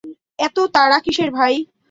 এত তাড়া কিসের ভাই?